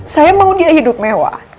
saya mau dia hidup mewah